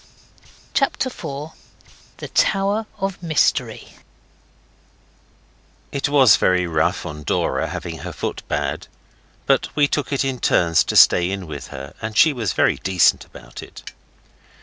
CHAPTER 4. THE TOWER OF MYSTERY It was very rough on Dora having her foot bad, but we took it in turns to stay in with her, and she was very decent about it.